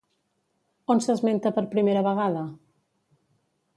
On s'esmenta per primera vegada?